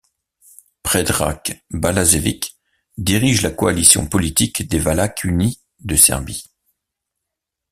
Predrag Balašević dirige la coalition politique des Valaques unis de Serbie.